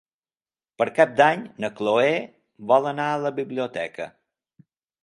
Per Cap d'Any na Chloé vol anar a la biblioteca.